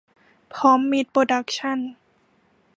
พร้อมมิตรโปรดักชั่น